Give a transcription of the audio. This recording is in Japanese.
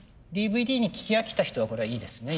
ＤＶＤに聴き飽きた人はこれはいいですね